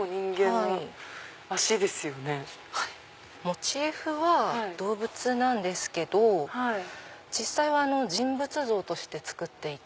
モチーフは動物なんですけど実際は人物像として作っていて。